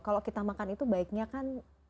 kalau kita makan itu baiknya kan